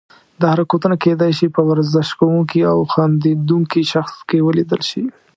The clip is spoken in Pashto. دا حرکتونه کیدای شي په ورزش کوونکي او خندیدونکي شخص کې ولیدل شي.